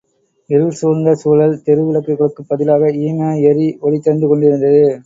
இருள் சூழ்ந்த சூழல் தெரு விளக்குகளுக்குப் பதிலாக ஈம எரி ஒளி தந்து கொண்டிருந்தது.